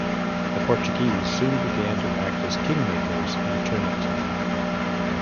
The Portuguese soon began to act as kingmakers in Ternate.